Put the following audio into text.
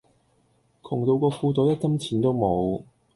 窮到個褲袋一針錢都冇